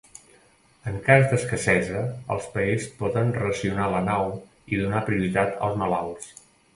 En cas d'escassesa els paers podien racionar la nau i donar prioritat als malalts.